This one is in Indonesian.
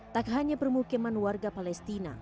tak hanya permukiman warga palestina